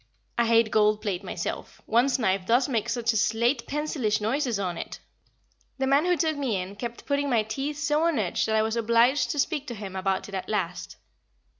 I hate gold plate myself, one's knife does make such slate pencilish noises on it. [Sidenote: Lord Valmond's Arrival] The man who took me in kept putting my teeth so on edge that I was obliged to speak to him about it at last.